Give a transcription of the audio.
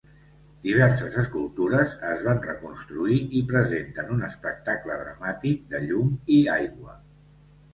Diverses escultures es van reconstruir i presenten un espectacle dramàtic de llum i aigua.